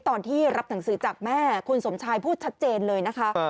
ตอนที่รับหนังสือจากแม่คุณสมชายพูดชัดเจนเลยนะคะ